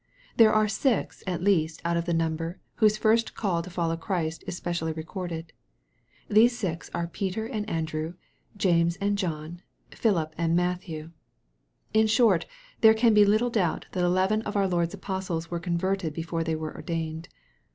There are six, at least, out of the number, whose first call to follow Christ is specially recorded. These six are Peter and Andrew, James and John, Philip and Matthew. In short, there can be little doubt that eleven of our Lord's apostles were converted before they were ordained.